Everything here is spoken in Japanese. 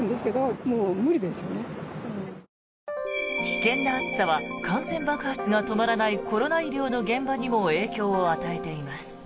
危険な暑さは感染爆発が止まらないコロナ医療の現場にも影響を与えています。